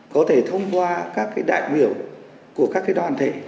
có thể thông qua các đại biểu của các đoàn thể